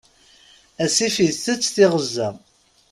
Asif itett tiɣezza.